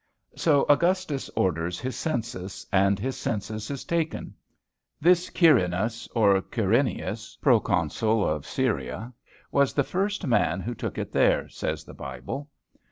So Augustus orders his census, and his census is taken. This Quirinus, or Quirinius, pro consul of Syria, was the first man who took it there, says the Bible.